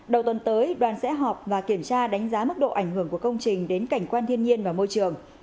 đầu tuần tới đoàn sẽ họp và kiểm tra đánh giá mức độ ảnh hưởng của công trình đến cảnh quan thiên nhiên và môi trường